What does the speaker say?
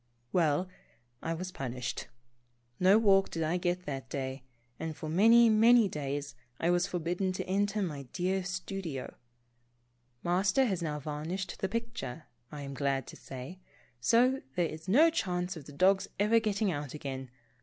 Well, I was pun ished. No walk did I get that day, and for many, many days I was forbidden to enter my dear stu dio. Master has now varnished the picture, I am glad to say, so there is no chance of the dog's ever getting out again.